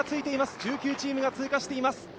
１９チームが通過しています。